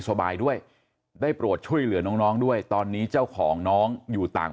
สบายด้วยได้โปรดช่วยเหลือน้องด้วยตอนนี้เจ้าของน้องอยู่ต่าง